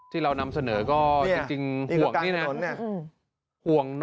ที่เรานำเสนอก็จริงห่วงนี่นะ